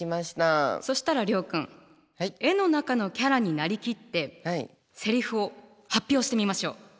そしたら諒君絵の中のキャラになりきってセリフを発表してみましょう。